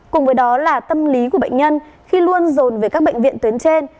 cùng với đó là tâm lý của bệnh nhân khi luôn rồn về các bệnh viện tuyến trên